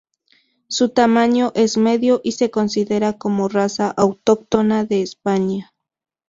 Su tamaño es medio y se considera como raza autóctona de España.